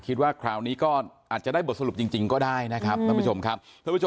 คิดว่าคราวนี้ก็อาจจะได้บทสรุปจริงก็ได้นะครับท่านผู้ชมครับ